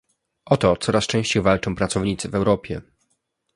O to coraz częściej walczą pracownicy w Europie